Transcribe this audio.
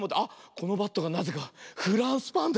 このバットがなぜかフランスパンだ。